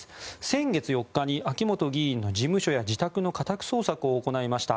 先月４日に秋本議員の事務所や自宅の家宅捜索を行いました。